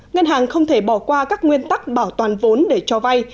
ngân hàng không thể bỏ qua các nguyên tắc bảo toàn vốn để cho vay